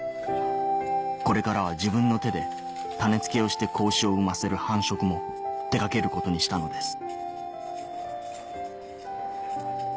これからは自分の手で種付けをして子牛を産ませる繁殖も手掛けることにしたのです